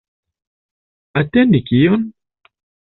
Atendi kion?